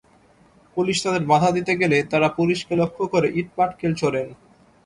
Police তাঁদের বাধা দিতে গেলে তাঁরা পুলিশকে লক্ষ্য করে ইটপাটকেল ছোড়েন।